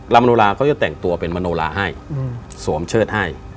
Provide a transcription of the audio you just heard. ำโนลาเขาจะแต่งตัวเป็นมโนลาให้สวมเชิดให้